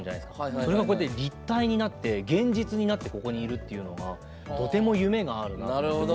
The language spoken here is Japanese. それが立体になって現実になってここにいるっていうのがとても夢があるなという。